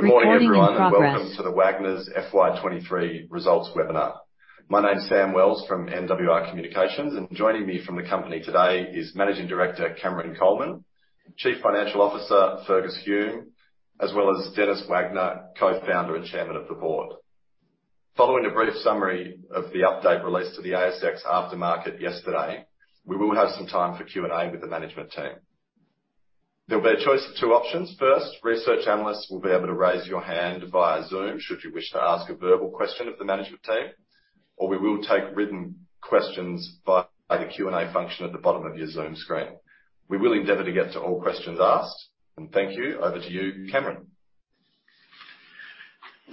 Good morning, everyone, welcome to the Wagners FY2023 results webinar. My name is Sam Wells from NWR Communications, and joining me from the company today is Managing Director, Cameron Coleman, Chief Financial Officer, Fergus Hume, as well as Denis Wagner, Co-founder and Chairman of the Board. Following a brief summary of the update released to the ASX after market yesterday, we will have some time for Q&A with the management team. There'll be a choice of two options. First, research analysts will be able to raise your hand via Zoom should you wish to ask a verbal question of the management team, or we will take written questions via the Q&A function at the bottom of your Zoom screen. We will endeavor to get to all questions asked, and thank you. Over to you, Cameron.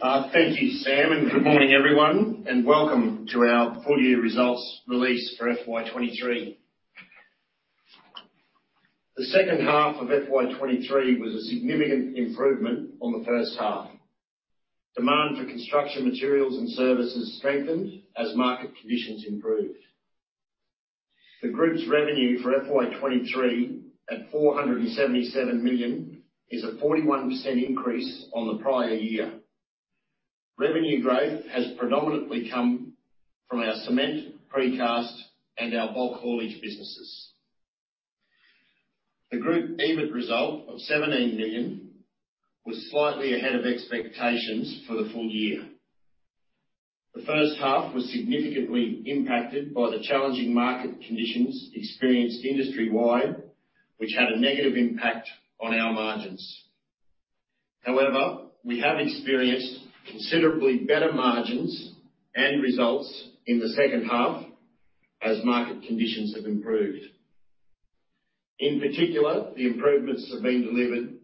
Thank you, Sam, and good morning everyone, and welcome to our full year results release for FY2023. The second half of FY2023 was a significant improvement on the first half. Demand for construction materials and services strengthened as market conditions improved. The group's revenue for FY2023, at 477 million, is a 41% increase on the prior year. Revenue growth has predominantly come from our cement, precast, and our bulk haulage businesses. The group EBIT result of 17 million was slightly ahead of expectations for the full year. The first half was significantly impacted by the challenging market conditions experienced industry-wide, which had a negative impact on our margins. However, we have experienced considerably better margins and results in the second half as market conditions have improved. In particular, the improvements have been delivered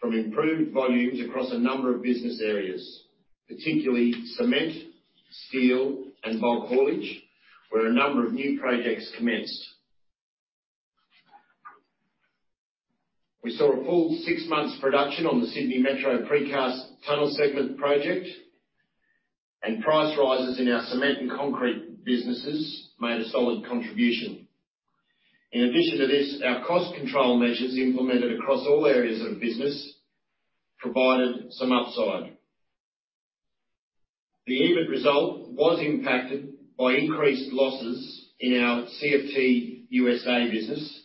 from improved volumes across a number of business areas, particularly cement, steel, and bulk haulage, where a number of new projects commenced. We saw a full 6 months production on the Sydney Metro Precast Tunnel Segment project. Price rises in our cement and concrete businesses made a solid contribution. In addition to this, our cost control measures implemented across all areas of business provided some upside. The EBIT result was impacted by increased losses in our CFT USA business,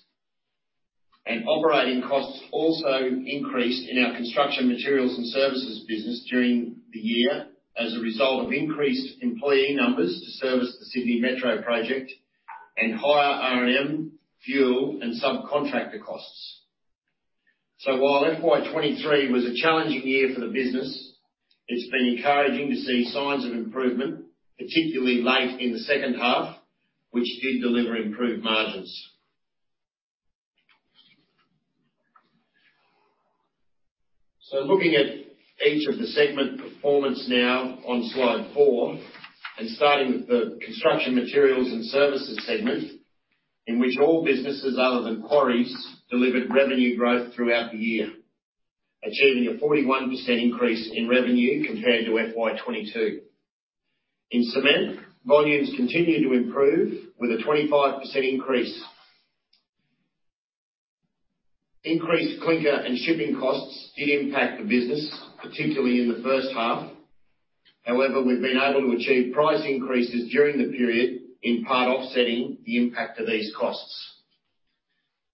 and operating costs also increased in our construction materials and services business during the year as a result of increased employee numbers to service the Sydney Metro project and higher R&M, fuel, and subcontractor costs. While FY2023 was a challenging year for the business, it's been encouraging to see signs of improvement, particularly late in the second half, which did deliver improved margins. Looking at each of the segment performance now on slide 4, and starting with the construction materials and services segment, in which all businesses other than quarries delivered revenue growth throughout the year, achieving a 41% increase in revenue compared to FY2022. In cement, volumes continued to improve with a 25% increase. Increased clinker and shipping costs did impact the business, particularly in the first half. However, we've been able to achieve price increases during the period, in part offsetting the impact of these costs.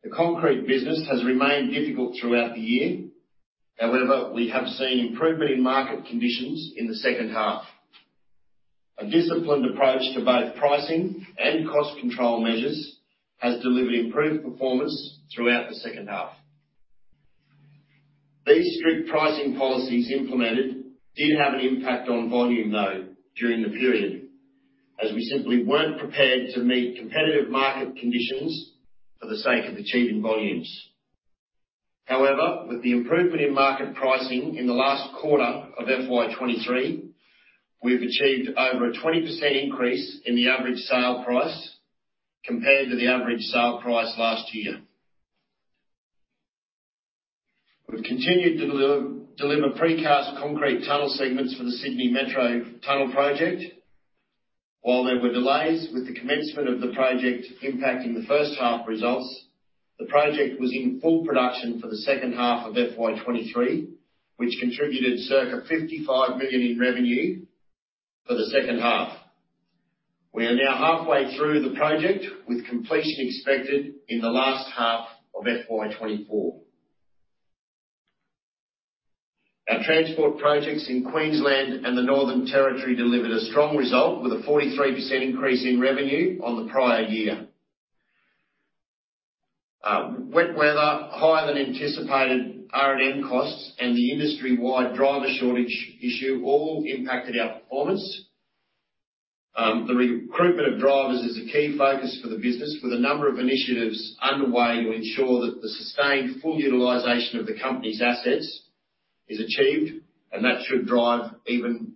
The concrete business has remained difficult throughout the year. However, we have seen improvement in market conditions in the second half. A disciplined approach to both pricing and cost control measures has delivered improved performance throughout the second half. These strict pricing policies implemented did have an impact on volume, though, during the period, as we simply weren't prepared to meet competitive market conditions for the sake of achieving volumes. However, with the improvement in market pricing in the last quarter of FY2023, we've achieved over a 20% increase in the average sale price compared to the average sale price last year. We've continued to deliver precast concrete tunnel segments for the Sydney Metro Tunnel project. While there were delays with the commencement of the project impacting the first half results, the project was in full production for the second half of FY2023, which contributed circa 55 million in revenue for the second half. We are now halfway through the project, with completion expected in the last half of FY2024. Our transport projects in Queensland and the Northern Territory delivered a strong result with a 43% increase in revenue on the prior year. Wet weather, higher than anticipated R&M costs, and the industry-wide driver shortage issue all impacted our performance. The recruitment of drivers is a key focus for the business, with a number of initiatives underway to ensure that the sustained full utilization of the company's assets is achieved, that should drive even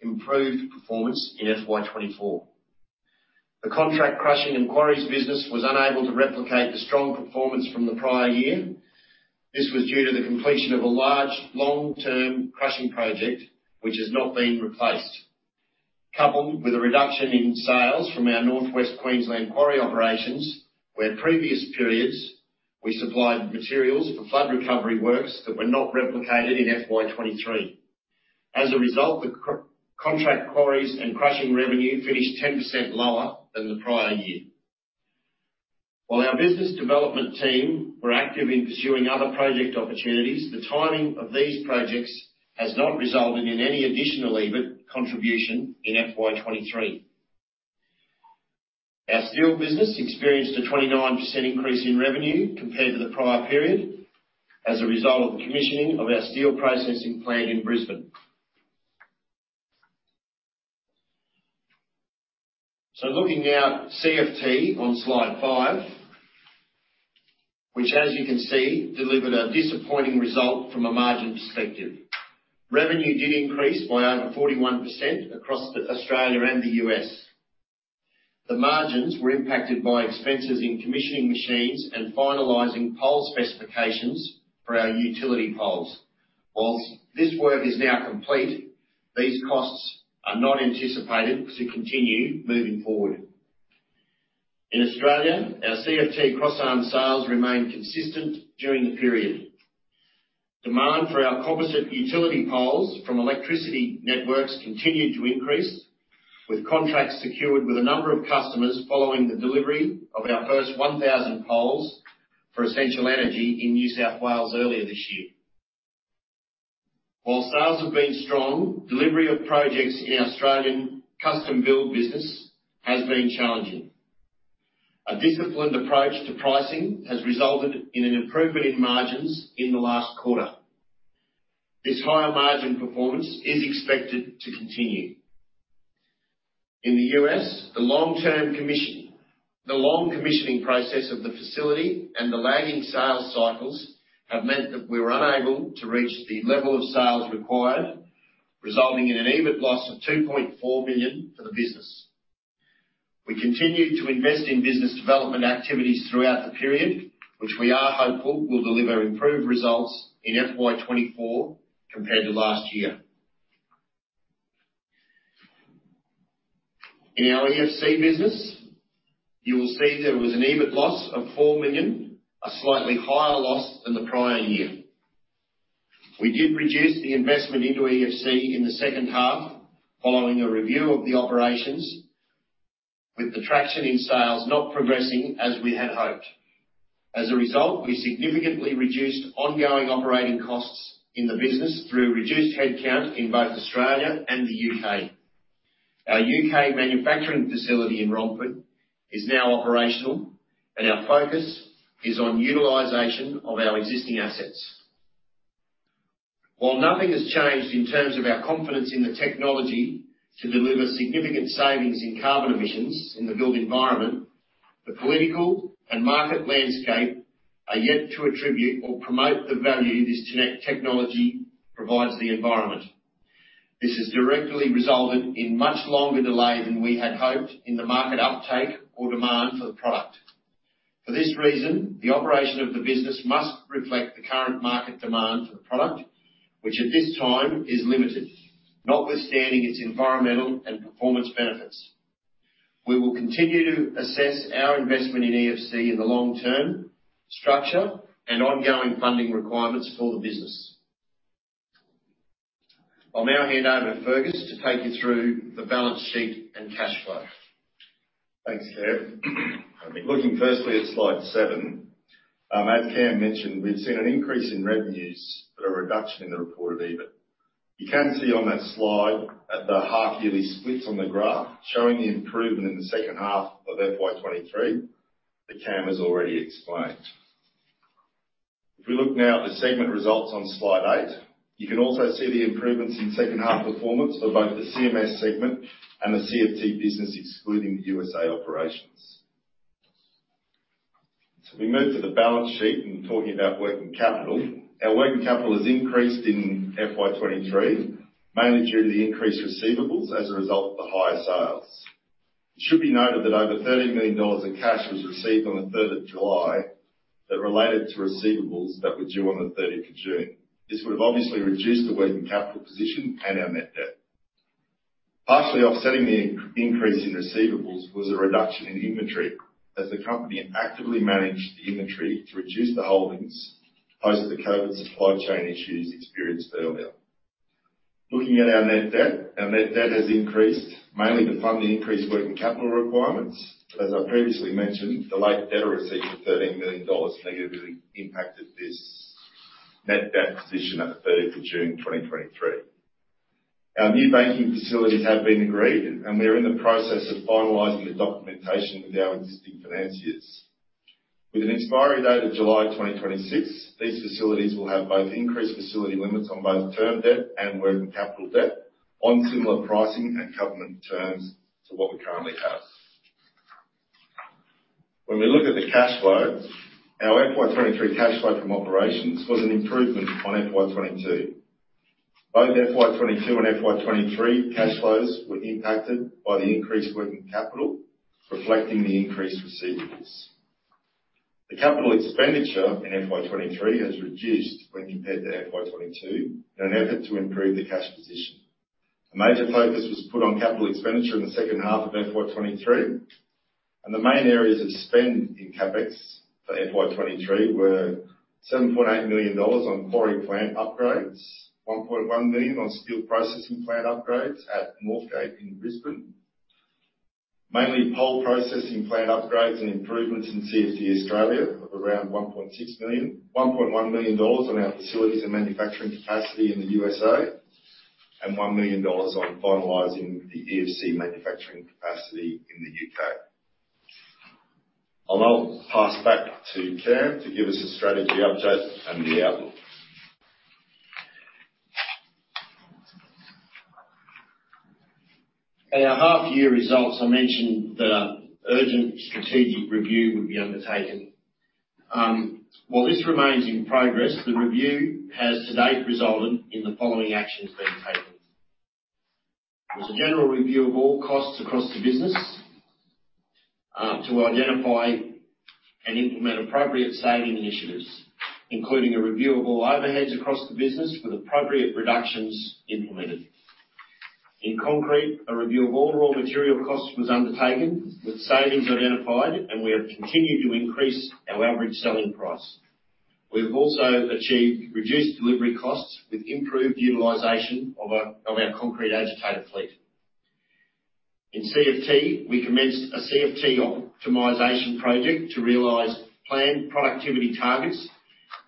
improved performance in FY2024. The contract crushing and quarries business was unable to replicate the strong performance from the prior year. This was due to the completion of a large, long-term crushing project, which has not been replaced. coupled with a reduction in sales from our Northwest Queensland quarry operations, where previous periods we supplied materials for flood recovery works that were not replicated in FY2023. As a result, the contract quarries and crushing revenue finished 10% lower than the prior year. While our business development team were active in pursuing other project opportunities, the timing of these projects has not resulted in any additional EBIT contribution in FY2023. Our steel business experienced a 29% increase in revenue compared to the prior period, as a result of the commissioning of our steel processing plant in Brisbane. Looking now at CFT on Slide 5, which, as you can see, delivered a disappointing result from a margin perspective. Revenue did increase by over 41% across the Australia and the US. The margins were impacted by expenses in commissioning machines and finalizing pole specifications for our utility poles. Whilst this work is now complete, these costs are not anticipated to continue moving forward. In Australia, our CFT crossarm sales remained consistent during the period. Demand for our composite utility poles from electricity networks continued to increase, with contracts secured with a number of customers following the delivery of our first 1,000 poles for Essential Energy in New South Wales earlier this year. While sales have been strong, delivery of projects in our Australian custom build business has been challenging. A disciplined approach to pricing has resulted in an improvement in margins in the last quarter. This higher margin performance is expected to continue. In the US, the long commissioning process of the facility and the lagging sales cycles have meant that we were unable to reach the level of sales required, resulting in an EBIT loss of 2.4 million for the business. We continued to invest in business development activities throughout the period, which we are hopeful will deliver improved results in FY2024 compared to last year. In our EFC business, you will see there was an EBIT loss of 4 million, a slightly higher loss than the prior year. We did reduce the investment into EFC in the second half, following a review of the operations, with the traction in sales not progressing as we had hoped. As a result, we significantly reduced ongoing operating costs in the business through reduced headcount in both Australia and the UK. Our UK manufacturing facility in Romford is now operational. Our focus is on utilization of our existing assets. While nothing has changed in terms of our confidence in the technology to deliver significant savings in carbon emissions in the built environment, the political and market landscape are yet to attribute or promote the value this technology provides the environment. This has directly resulted in much longer delay than we had hoped in the market uptake or demand for the product. For this reason, the operation of the business must reflect the current market demand for the product, which at this time is limited, notwithstanding its environmental and performance benefits. We will continue to assess our investment in EFC in the long term, structure, and ongoing funding requirements for the business. I'll now hand over to Fergus to take you through the balance sheet and cash flow. Thanks, Cam. Looking firstly at slide seven, as Cam mentioned, we've seen an increase in revenues but a reduction in the reported EBIT. You can see on that slide that the half yearly splits on the graph showing the improvement in the second half of FY2023, that Cam has already explained. We look now at the segment results on slide eight, you can also see the improvements in second half performance for both the CMS segment and the CFT business, excluding the USA operations. We move to the balance sheet and talking about working capital. Our working capital has increased in FY2023, mainly due to the increased receivables as a result of the higher sales. It should be noted that over 13 million dollars in cash was received on the third of July that related to receivables that were due on the thirtieth of June. This would have obviously reduced the working capital position and our net debt. Partially offsetting the increase in receivables was a reduction in inventory, as the company actively managed the inventory to reduce the holdings post the COVID supply chain issues experienced earlier. Looking at our net debt, our net debt has increased, mainly to fund the increased working capital requirements. As I previously mentioned, the late debtor receipt of AUD 13 million negatively impacted this net debt position at the 30th of June 2023. Our new banking facilities have been agreed, and we are in the process of finalizing the documentation with our existing financiers. With an expiry date of July 2026, these facilities will have both increased facility limits on both term debt and working capital debt on similar pricing and covenant terms to what we currently have. When we look at the cash flow, our FY2023 cash flow from operations was an improvement on FY22. Both FY22 and FY2023 cash flows were impacted by the increased working capital, reflecting the increased receivables. The capital expenditure in FY2023 has reduced when compared to FY22, in an effort to improve the cash position. A major focus was put on capital expenditure in the second half of FY2023. The main areas of spend in CapEx for FY2023 were 7.8 million dollars on quarry plant upgrades, 1.1 million on steel processing plant upgrades at Northgate in Brisbane. Mainly pole processing plant upgrades and improvements in CFT Australia of around 1.6 million. 1.1 million dollars on our facilities and manufacturing capacity in the USA, and 1 million dollars on finalizing the EFC manufacturing capacity in the UK. I'll now pass back to Cameron to give us a strategy update and the outlook. In our half-year results, I mentioned that an urgent strategic review would be undertaken. While this remains in progress, the review has to date resulted in the following actions being taken. There's a general review of all costs across the business to identify and implement appropriate saving initiatives, including a review of all overheads across the business with appropriate reductions implemented. In concrete, a review of all raw material costs was undertaken, with savings identified, and we have continued to increase our average selling price. We've also achieved reduced delivery costs with improved utilization of our concrete agitator fleet. In CFT, we commenced a CFT optimization project to realize planned productivity targets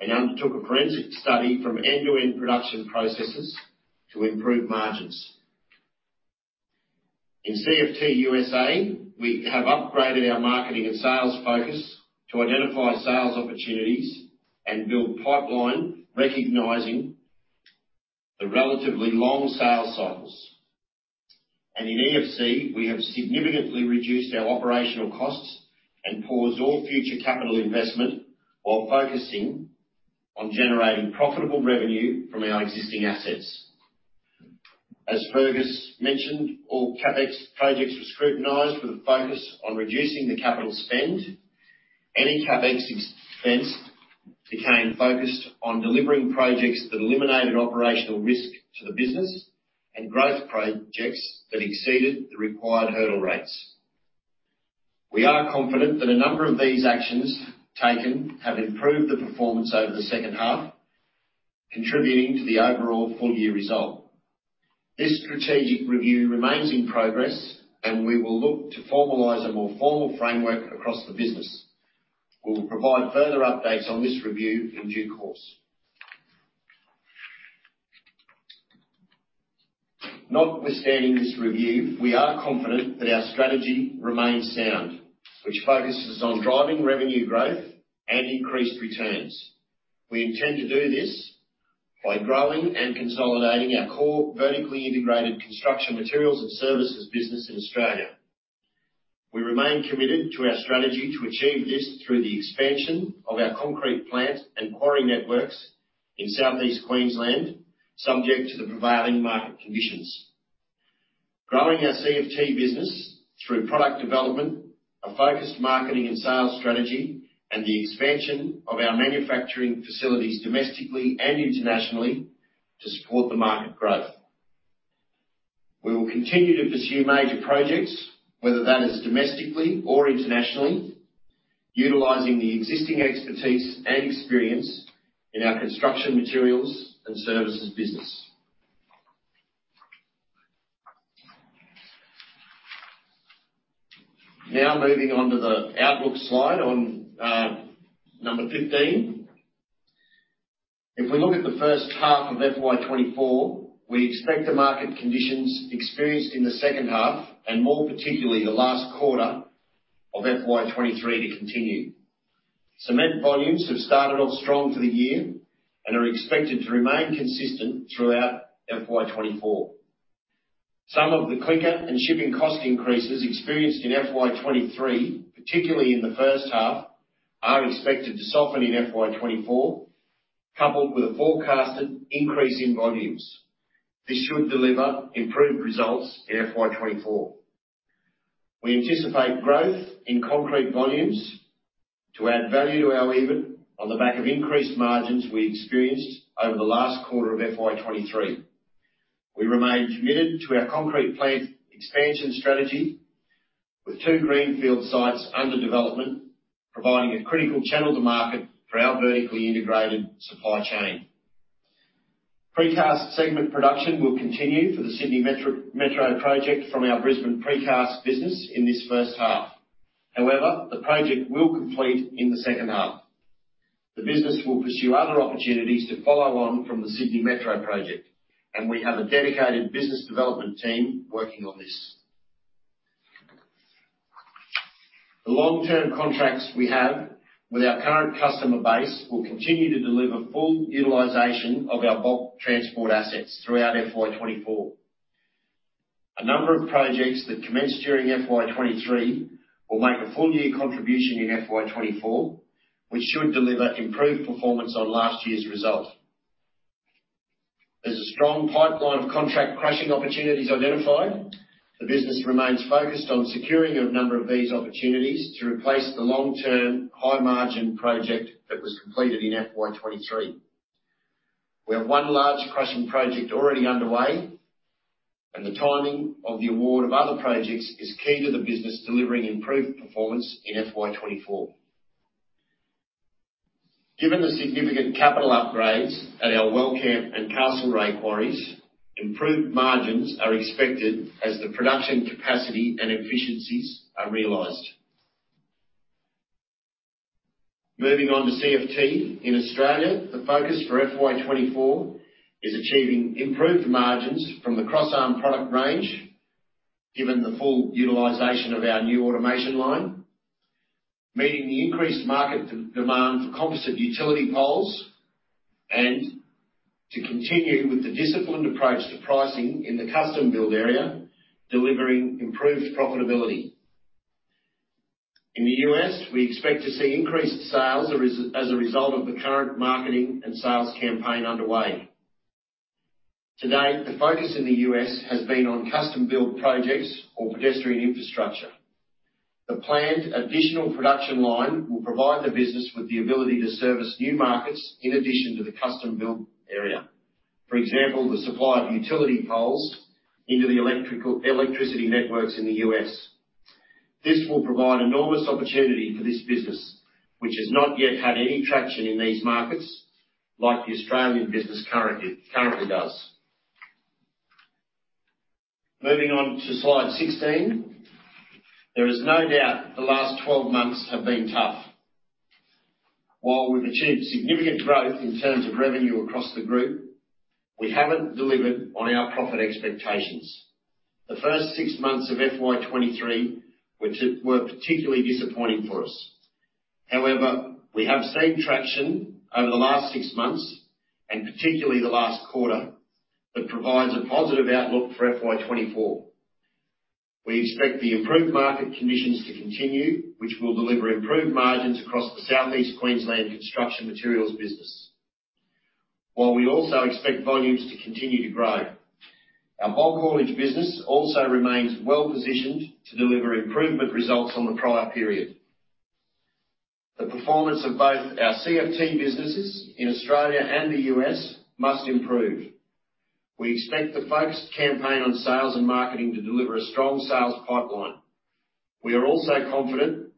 and undertook a forensic study from end-to-end production processes to improve margins. In CFT USA, we have upgraded our marketing and sales focus to identify sales opportunities and build pipeline, recognizing the relatively long sales cycles. In EFC, we have significantly reduced our operational costs and paused all future capital investment while focusing on generating profitable revenue from our existing assets. As Fergus mentioned, all CapEx projects were scrutinized with a focus on reducing the capital spend. Any CapEx expense became focused on delivering projects that eliminated operational risk to the business and growth projects that exceeded the required hurdle rates. We are confident that a number of these actions taken have improved the performance over the second half, contributing to the overall full-year result. This strategic review remains in progress, and we will look to formalize a more formal framework across the business. We will provide further updates on this review in due course. Notwithstanding this review, we are confident that our strategy remains sound, which focuses on driving revenue growth and increased returns. We intend to do this by growing and consolidating our core vertically integrated construction materials and services business in Australia. We remain committed to our strategy to achieve this through the expansion of our concrete plant and quarry networks in Southeast Queensland, subject to the prevailing market conditions. Growing our CFT business through product development, a focused marketing and sales strategy, and the expansion of our manufacturing facilities, domestically and internationally, to support the market growth. We will continue to pursue major projects, whether that is domestically or internationally, utilizing the existing expertise and experience in our construction materials and services business. Moving on to the outlook slide on, number 15. If we look at the first half of FY2024, we expect the market conditions experienced in the second half, and more particularly the last quarter of FY2023, to continue. Cement volumes have started off strong for the year and are expected to remain consistent throughout FY2024. Some of the clinker and shipping cost increases experienced in FY2023, particularly in the first half, are expected to soften in FY2024, coupled with a forecasted increase in volumes. This should deliver improved results in FY2024. We anticipate growth in concrete volumes to add value to our EBIT on the back of increased margins we experienced over the last quarter of FY2023. We remain committed to our concrete plant expansion strategy, with two greenfield sites under development, providing a critical channel to market for our vertically integrated supply chain. Precast segment production will continue for the Sydney Metro, Metro project from our Brisbane precast business in this first half. However, the project will complete in the second half. The business will pursue other opportunities to follow on from the Sydney Metro project. We have a dedicated business development team working on this. The long-term contracts we have with our current customer base will continue to deliver full utilization of our bulk transport assets throughout FY2024. A number of projects that commenced during FY2023 will make a full year contribution in FY2024, which should deliver improved performance on last year's result. There's a strong pipeline of contract crushing opportunities identified. The business remains focused on securing a number of these opportunities to replace the long-term, high-margin project that was completed in FY2023. We have one large crushing project already underway, and the timing of the award of other projects is key to the business delivering improved performance in FY2024. Given the significant capital upgrades at our Wellcamp and Castlerock quarries, improved margins are expected as the production capacity and efficiencies are realized. Moving on to CFT. In Australia, the focus for FY2024 is achieving improved margins from the cross-arm product range, given the full utilization of our new automation line, meeting the increased market demand for composite utility poles, and to continue with the disciplined approach to pricing in the custom-build area, delivering improved profitability. In the US, we expect to see increased sales as a result of the current marketing and sales campaign underway. To date, the focus in the US has been on custom-built projects or pedestrian infrastructure. The planned additional production line will provide the business with the ability to service new markets in addition to the custom build area. For example, the supply of utility poles into the electricity networks in the US This will provide enormous opportunity for this business, which has not yet had any traction in these markets, like the Australian business currently, currently does. Moving on to slide 16. There is no doubt the last 12 months have been tough. While we've achieved significant growth in terms of revenue across the group, we haven't delivered on our profit expectations. The first six months of FY2023 were particularly disappointing for us. However, we have seen traction over the last six months, and particularly the last quarter, that provides a positive outlook for FY2024. We expect the improved market conditions to continue, which will deliver improved margins across the Southeast Queensland Construction Materials business. We also expect volumes to continue to grow, our bulk haulage business also remains well-positioned to deliver improvement results on the prior period. The performance of both our CFT businesses in Australia and the US must improve. We expect the focused campaign on sales and marketing to deliver a strong sales pipeline. We are also confident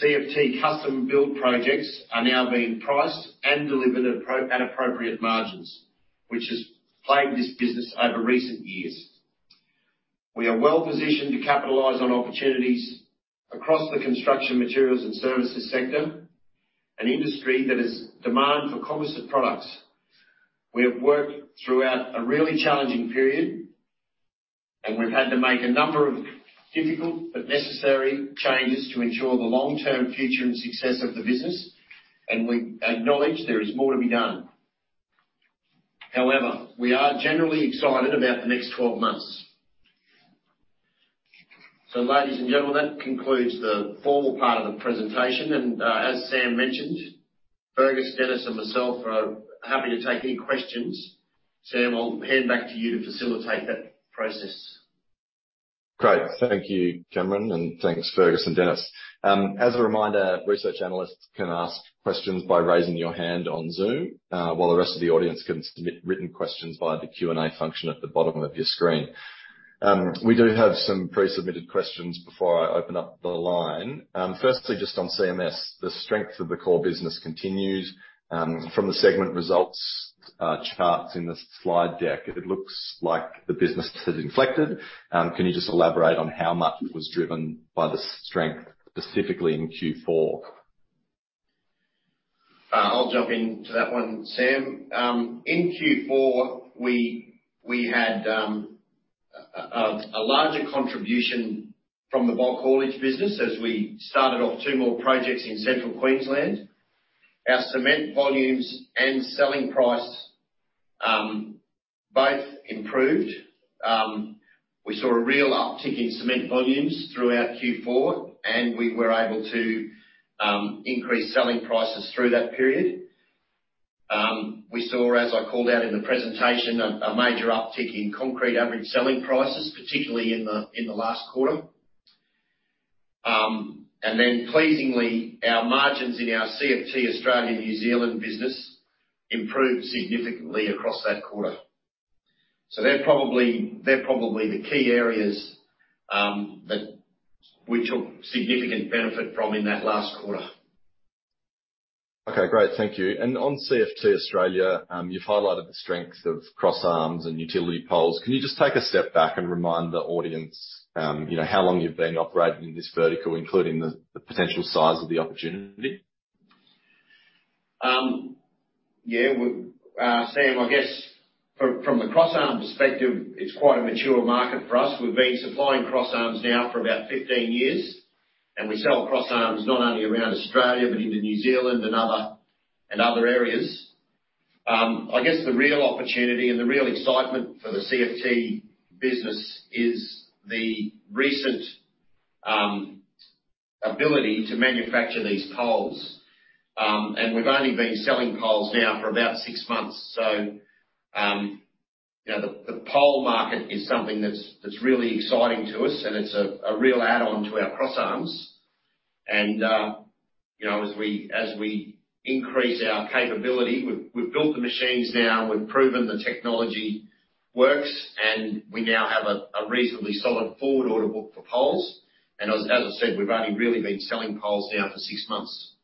CFT custom build projects are now being priced and delivered at appropriate margins, which has plagued this business over recent years. We are well positioned to capitalize on opportunities across the construction materials and services sector, an industry that is demand for composite products. We have worked throughout a really challenging period, we've had to make a number of difficult but necessary changes to ensure the long-term future and success of the business, and we acknowledge there is more to be done. However, we are generally excited about the next 12 months. Ladies and gentlemen, that concludes the formal part of the presentation, and as Sam mentioned, Fergus, Denis, and myself are happy to take any questions. Sam, I'll hand back to you to facilitate that process. Great. Thank you, Cameron, thanks, Fergus and Denis. As a reminder, research analysts can ask questions by raising your hand on Zoom, while the rest of the audience can submit written questions via the Q&A function at the bottom of your screen. We do have some pre-submitted questions before I open up the line. Firstly, just on CMS, the strength of the core business continues. From the segment results, charts in the slide deck, it looks like the business has inflected. Can you just elaborate on how much it was driven by the strength, specifically in Q4? I'll jump into that one, Sam. In Q4, we had a larger contribution from the bulk haulage business as we started off two more projects in Central Queensland. Our cement volumes and selling price both improved. We saw a real uptick in cement volumes throughout Q4, and we were able to increase selling prices through that period. We saw, as I called out in the presentation, a major uptick in concrete average selling prices, particularly in the last quarter. Pleasingly, our margins in our CFT Australia-New Zealand business improved significantly across that quarter. They're probably, they're probably the key areas that we took significant benefit from in that last quarter. Okay, great. Thank you. On CFT Australia, you've highlighted the strength of cross-arms and utility poles. Can you just take a step back and remind the audience, you know, how long you've been operating in this vertical, including the potential size of the opportunity? Yeah, Sam, I guess from the cross-arm perspective, it's quite a mature market for us. We've been supplying cross-arms now for about 15 years, and we sell cross-arms not only around Australia, but into New Zealand and other, and other areas. I guess the real opportunity and the real excitement for the CFT business is the recent ability to manufacture these poles. We've only been selling poles now for about 6 months. You know, the pole market is something that's, that's really exciting to us, and it's a real add-on to our cross arms. You know, as we, as we increase our capability, we've, we've built the machines now, we've proven the technology works, and we now have a reasonably solid forward order book for poles. As, as I said, we've only really been selling poles now for 6 months.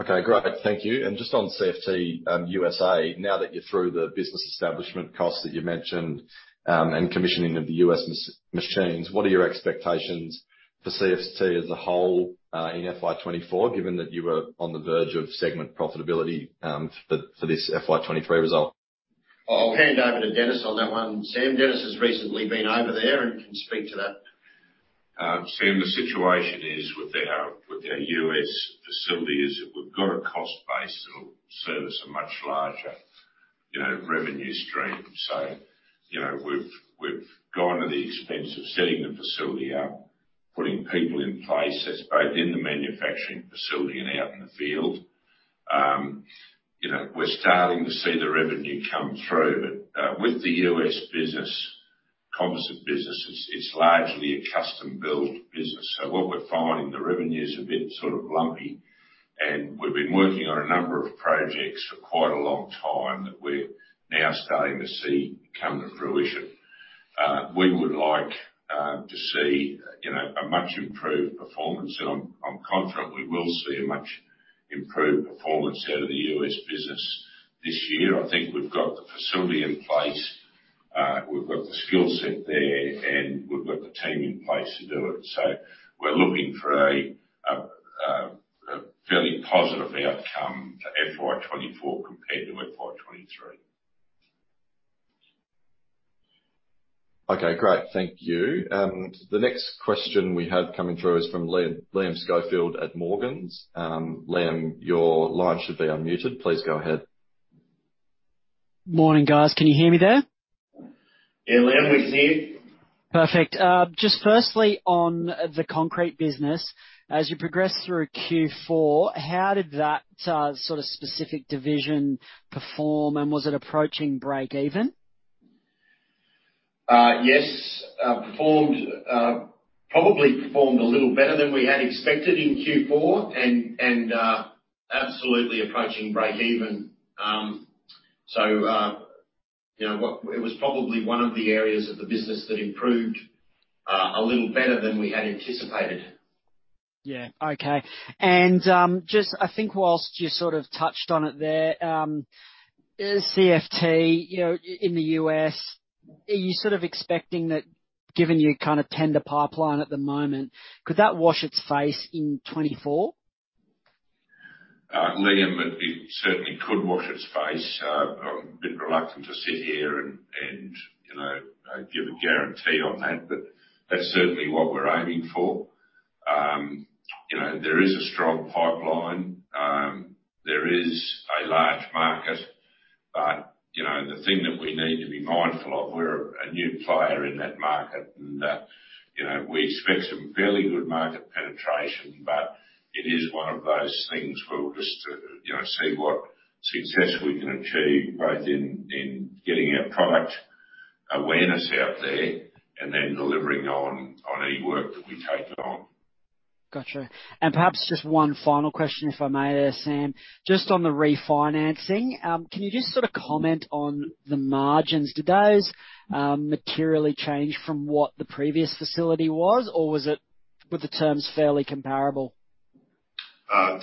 Okay, great. Thank you. Just on CFT USA, now that you're through the business establishment costs that you mentioned, and commissioning of the US machines, what are your expectations for CFT as a whole, in FY2024, given that you were on the verge of segment profitability, for this FY2023 result? I'll hand over to Denis on that one, Sam. Denis has recently been over there and can speak to that. Sam, the situation is with our, with our US facilities, we've got a cost base that will service a much larger, you know, revenue stream. You know, we've, we've gone to the expense of setting the facility up, putting people in place. That's both in the manufacturing facility and out in the field. You know, we're starting to see the revenue come through. With the US business, composite business, it's, it's largely a custom-built business. What we're finding, the revenue is a bit sort of lumpy, and we've been working on a number of projects for quite a long time, that we're now starting to see come to fruition. We would like to see, you know, a much improved performance, and I'm, I'm confident we will see a much improved performance out of the US business this year.I think we've got the facility in place, we've got the skill set there, and we've got the team in place to do it. We're looking for a fairly positive outcome for FY2024 compared to FY2023. Okay, great. Thank you. The next question we have coming through is from Liam, Liam Schofield at Morgans. Liam, your line should be unmuted. Please go ahead. Morning, guys. Can you hear me there? Yeah, Liam, we can hear you. Perfect. Just firstly on the concrete business, as you progressed through Q4, how did that, sort of specific division perform, and was it approaching breakeven? Yes. performed, probably performed a little better than we had expected in Q4 and absolutely approaching breakeven. you know, it was probably one of the areas of the business that improved a little better than we had anticipated. Yeah. Okay. Just I think whilst you sort of touched on it there, is CFT, you know, in the US, are you sort of expecting that, given your kind of tender pipeline at the moment, could that wash its face in 2024? Liam, it, it certainly could wash its face. I'm a bit reluctant to sit here and, and, you know, give a guarantee on that, but that's certainly what we're aiming for. You know, there is a strong pipeline. There is a large market, but, you know, the thing that we need to be mindful of, we're a new player in that market and, you know, we expect some fairly good market penetration, but it is one of those things where we'll just, you know, see what success we can achieve, both in, in getting our product awareness out there and then delivering on, on any work that we take on. Got you. Perhaps just one final question, if I may there, Sam. Just on the refinancing, can you just sort of comment on the margins? Do those materially change from what the previous facility was, or were the terms fairly comparable?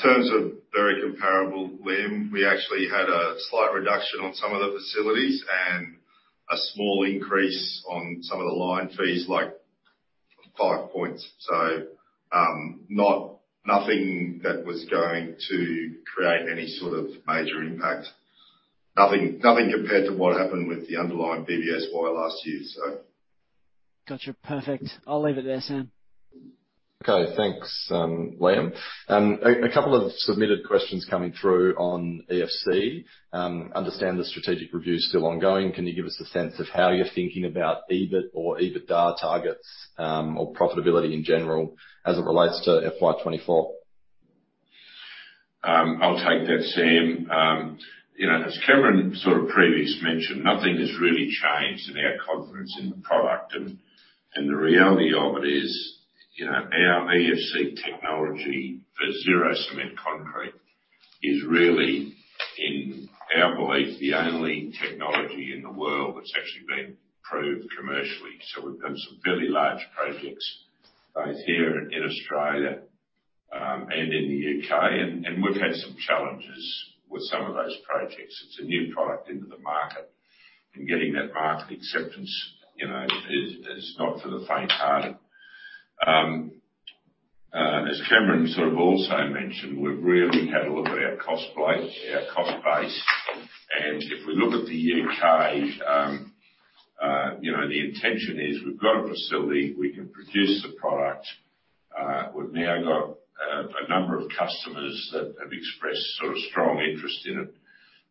Terms are very comparable, Liam. We actually had a slight reduction on some of the facilities and a small increase on some of the line fees, like 5 points. Not nothing that was going to create any sort of major impact. Nothing, nothing compared to what happened with the underlying BBSY last year. Got you. Perfect. I'll leave it there, Sam. Okay, thanks, Liam. A couple of submitted questions coming through on EFC. Understand the strategic review is still ongoing. Can you give us a sense of how you're thinking about EBIT or EBITDA targets, or profitability in general as it relates to FY2024? I'll take that, Sam. You know, as Cameron sort of previously mentioned, nothing has really changed in our confidence in the product. The reality of it is, you know, our EFC technology for zero cement concrete is really, in our belief, the only technology in the world that's actually been proved commercially. We've done some fairly large projects both here in Australia and in the UK, and we've had some challenges with some of those projects. It's a new product into the market, and getting that market acceptance, you know, is not for the faint-hearted. As Cameron sort of also mentioned, we've really had a look at our cost base, and if we look at the UK, you know, the intention is we've got a facility, we can produce the product-... We've now got a number of customers that have expressed sort of strong interest in it,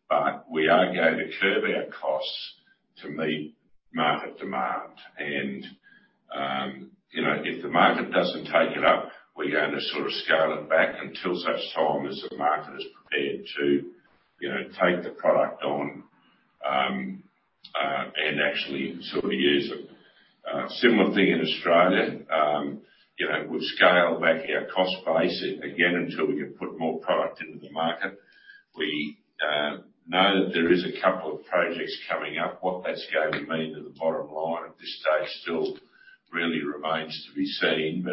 but we are going to curb our costs to meet market demand. You know, if the market doesn't take it up, we're going to sort of scale it back until such time as the market is prepared to, you know, take the product on and actually sort of use them. Similar thing in Australia, you know, we've scaled back our cost base again, until we can put more product into the market. We know that there is a couple of projects coming up. What that's going to mean to the bottom line at this stage, still really remains to be seen.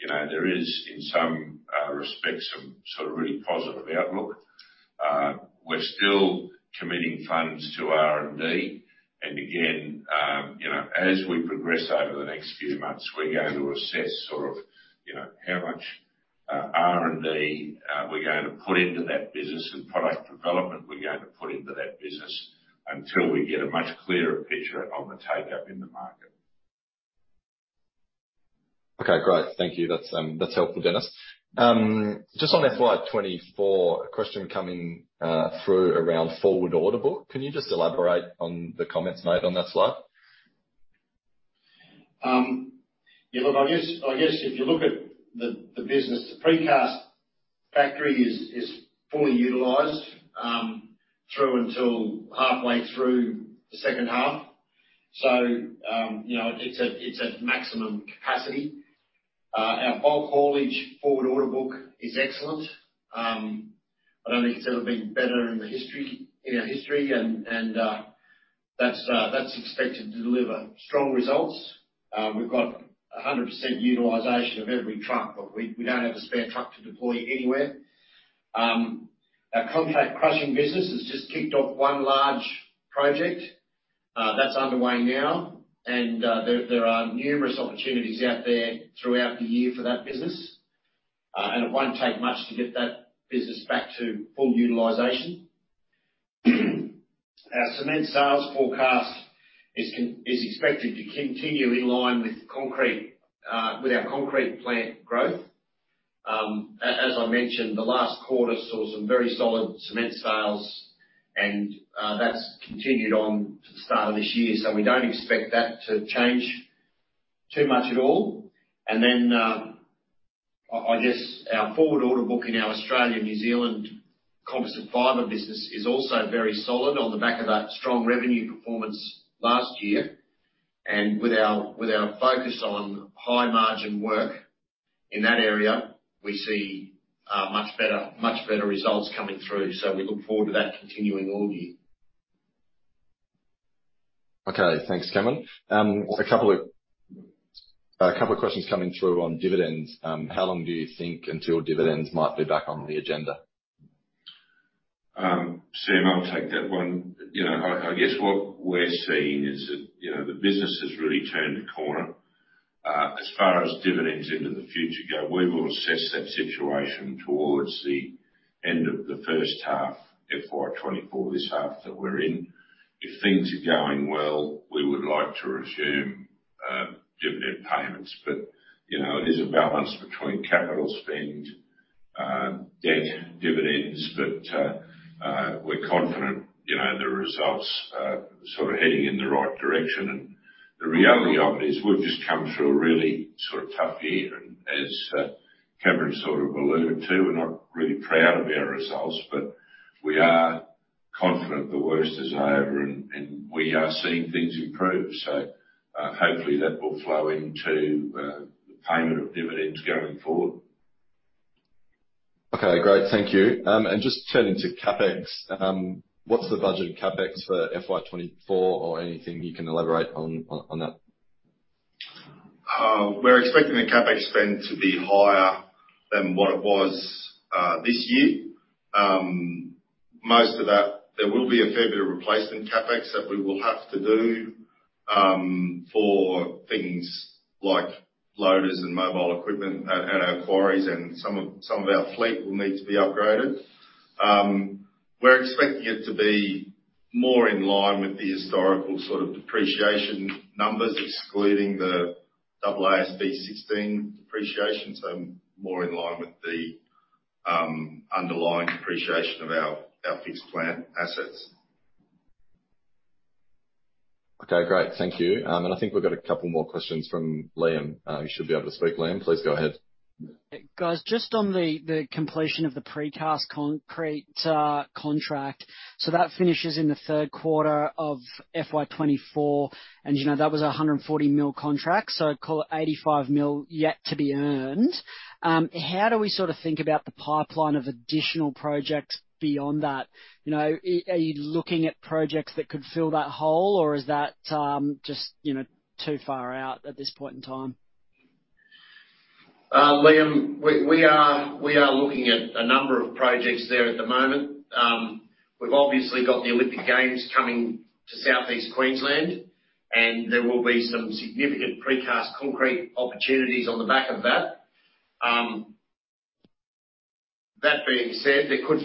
You know, there is, in some respects, some sort of really positive outlook. We're still committing funds to R&D, and again, you know, as we progress over the next few months, we're going to assess sort of, you know, how much R&D we're going to put into that business and product development we're going to put into that business until we get a much clearer picture of the take-up in the market. Okay, great. Thank you. That's, that's helpful, Denis. Just on FY2024, a question coming through around forward order book. Can you just elaborate on the comments made on that slide? Yeah, look, I guess, I guess if you look at the business, the precast factory is fully utilized through until halfway through the second half. You know, it's at maximum capacity. Our bulk haulage forward order book is excellent. I don't think it's ever been better in the history, in our history, and that's expected to deliver strong results. We've got a 100% utilization of every truck. We, we don't have a spare truck to deploy anywhere. Our contract crushing business has just kicked off one large project that's underway now, and there are numerous opportunities out there throughout the year for that business. It won't take much to get that business back to full utilization. Our cement sales forecast is expected to continue in line with concrete, with our concrete plant growth. As I mentioned, the last quarter saw some very solid cement sales, and that's continued on to the start of this year, so we don't expect that to change too much at all. Then, I, I guess our forward order book in our Australian, New Zealand Composite Fibre business is also very solid on the back of that strong revenue performance last year. With our, with our focus on high margin work in that area, we see much better, much better results coming through. We look forward to that continuing all year. Okay. Thanks, Cameron. A couple of, a couple of questions coming through on dividends. How long do you think until dividends might be back on the agenda? Sam, I'll take that one. You know, I, I guess what we're seeing is that, you know, the business has really turned a corner. As far as dividends into the future go, we will assess that situation towards the end of the first half, FY2024, this half that we're in. If things are going well, we would like to resume, dividend payments, but, you know, it is a balance between capital spend, debt, dividends. We're confident, you know, the results are sort of heading in the right direction. The reality of it is, we've just come through a really sort of tough year, and as Cameron sort of alluded to, we're not really proud of our results, but we are confident the worst is over, and we are seeing things improve. Hopefully, that will flow into the payment of dividends going forward. Okay, great. Thank you. Just turning to CapEx, what's the budget of CapEx for FY2024 or anything you can elaborate on, on, on that? We're expecting the CapEx spend to be higher than what it was this year. Most of that, there will be a fair bit of replacement CapEx that we will have to do for things like loaders and mobile equipment at our quarries, and some of our fleet will need to be upgraded. We're expecting it to be more in line with the historical sort of depreciation numbers, excluding the AASB 16 depreciation, so more in line with the underlying depreciation of our fixed plant assets. Okay, great. Thank you. I think we've got a couple more questions from Liam. You should be able to speak, Liam. Please go ahead. Guys, just on the completion of the precast concrete contract. That finishes in the third quarter of FY2024, and you know, that was an 140 million contract, so call it 85 million yet to be earned. How do we sort of think about the pipeline of additional projects beyond that? You know, are you looking at projects that could fill that hole, or is that, just, you know, too far out at this point in time? Liam, we are looking at a number of projects there at the moment. We've obviously got the Olympic Games coming to Southeast Queensland, There will be some significant precast concrete opportunities on the back of that. That being said, there could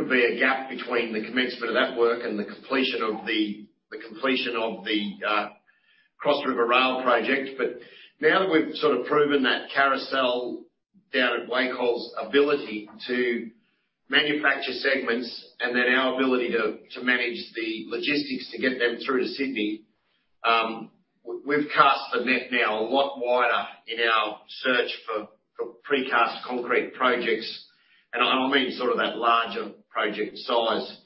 be a gap between the commencement of that work and the completion of the Cross River Rail project. Now that we've sort of proven that carousel down at Wacol's ability to manufacture segments, and then our ability to manage the logistics to get them through to Sydney, we've cast the net now a lot wider in our search for precast concrete projects, I mean, sort of that larger project size.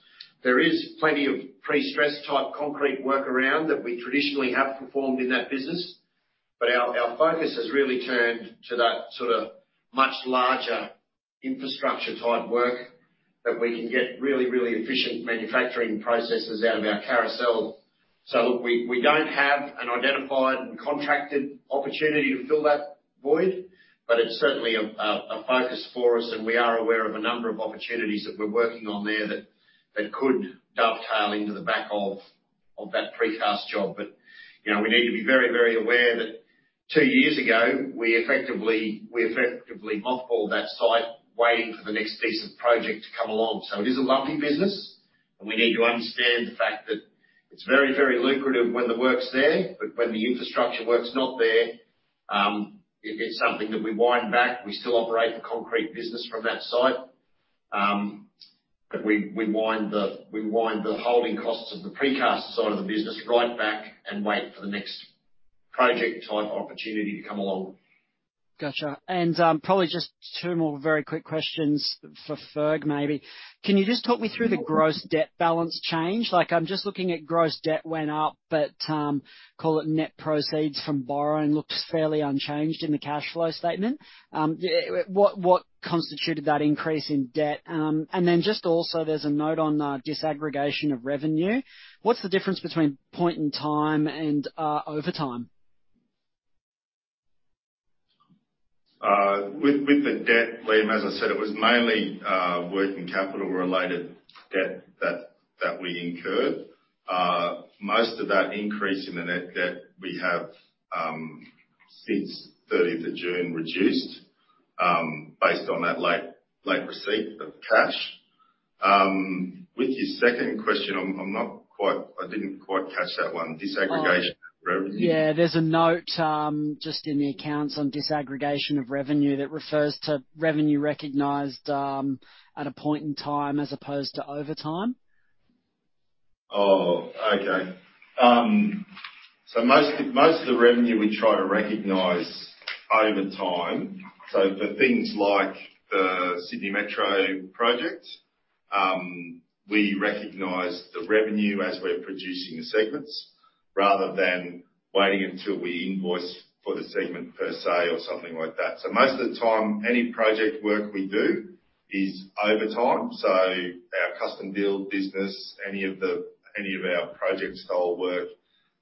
There is plenty of pre-stress type concrete work around that we traditionally have performed in that business, but our, our focus has really turned to that sort of much larger infrastructure type work that we can get really, really efficient manufacturing processes out of our carousel. Look, we, we don't have an identified and contracted opportunity to fill that void, but it's certainly a, a, a focus for us, and we are aware of a number of opportunities that we're working on there that, that could dovetail into the back of, of that precast job. You know, we need to be very, very aware that two years ago, we effectively, we effectively mothballed that site, waiting for the next piece of project to come along. It is a lumpy business, and we need to understand the fact that it's very, very lucrative when the work's there, but when the infrastructure work's not there, it's something that we wind back. We still operate the concrete business from that site. We, we wind the, we wind the holding costs of the precast side of the business right back and wait for the next project type opportunity to come along. Gotcha. Probably just 2 more very quick questions for Fergus, maybe. Can you just talk me through the gross debt balance change? Like, I'm just looking at gross debt went up, but, call it net proceeds from borrowing, looks fairly unchanged in the cash flow statement. What, what constituted that increase in debt? Then just also there's a note on disaggregation of revenue. What's the difference between point in time and over time? With, with the debt, Liam, as I said, it was mainly working capital related debt that, that we incurred. Most of that increase in the net debt we have, since 30th of June reduced, based on that late, late receipt of cash. With your second question, I'm, I'm not quite-- I didn't quite catch that one. Disaggregation of revenue? Oh, yeah. There's a note, just in the accounts on disaggregation of revenue that refers to revenue recognized, at a point in time as opposed to over time. Most, most of the revenue we try to recognize over time. For things like the Sydney Metro project, we recognize the revenue as we're producing the segments, rather than waiting until we invoice for the segment per se, or something like that. Most of the time, any project work we do is over time. Our custom build business, any of the, any of our project style work,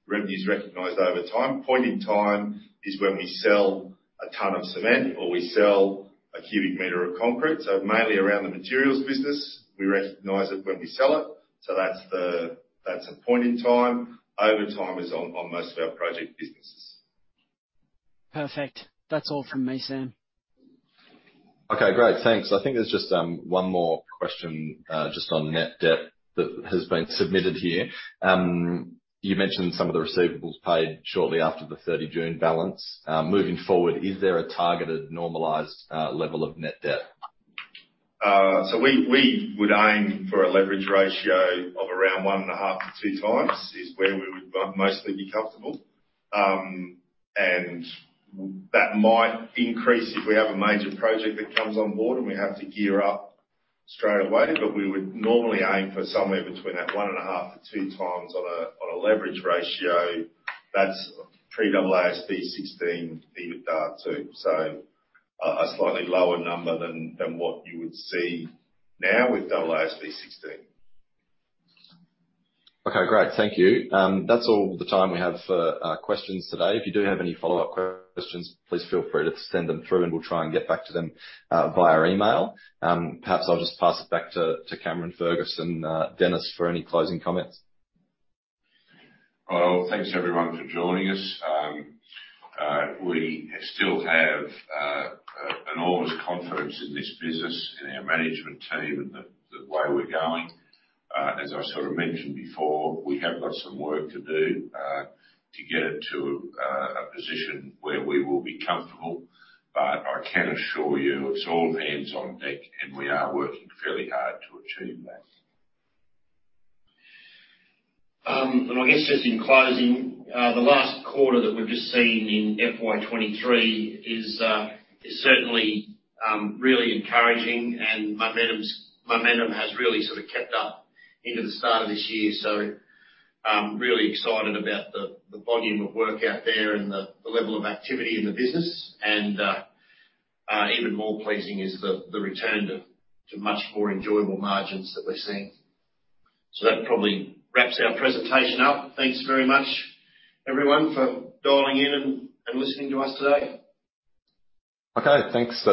revenue is recognized over time. Point in time is when we sell a ton of cement or we sell a cubic meter of concrete, so mainly around the materials business, we recognize it when we sell it. That's the, that's a point in time. Over time is on, on most of our project businesses. Perfect. That's all from me, Sam. Okay, great. Thanks. I think there's just one more question just on net debt that has been submitted here. You mentioned some of the receivables paid shortly after the 30 June balance. Moving forward, is there a targeted, normalized level of net debt? We, we would aim for a leverage ratio of around 1.5x-2x, is where we would mostly be comfortable. And that might increase if we have a major project that comes on board, and we have to gear up straight away. But we would normally aim for somewhere between that 1.5x-2x on a, on a leverage ratio. That's pre-AASB 16, the too. A slightly lower number than, than what you would see now with AASB 16. Okay, great. Thank you. That's all the time we have for questions today. If you do have any follow-up questions, please feel free to send them through and we'll try and get back to them via email. Perhaps I'll just pass it back to, to Cameron Coleman, Denis, for any closing comments. Well, thanks, everyone, for joining us. We still have enormous confidence in this business, in our management team, and the, the way we're going. As I sort of mentioned before, we have got some work to do to get it to a position where we will be comfortable. I can assure you, it's all hands on deck, and we are working fairly hard to achieve that. I guess just in closing, the last quarter that we've just seen in FY2023 is certainly really encouraging, and momentum's, momentum has really sort of kept up into the start of this year. I'm really excited about the, the volume of work out there and the, the level of activity in the business. Even more pleasing is the, the return to, to much more enjoyable margins that we're seeing. That probably wraps our presentation up. Thanks very much, everyone, for dialing in and, and listening to us today. Okay, thanks.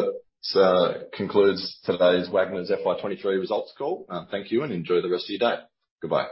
That concludes today's Wagners FY2023 results call. Thank you, and enjoy the rest of your day. Goodbye.